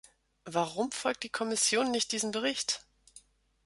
Warum folgt die Kommission nicht diesem Bericht?